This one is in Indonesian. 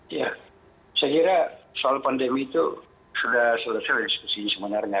ya saya kira soal pandemi itu sudah selesai diskusi sebenarnya